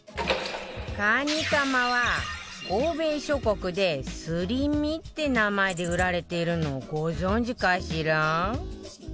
カニカマは欧米諸国で ＳＵＲＩＭＩ って名前で売られているのご存じかしら？